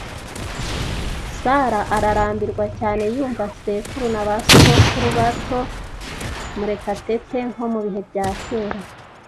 Sarah ararambirwa cyane yumva sekuru na basogokuru batonMurekatetea nko mu bihe bya kera.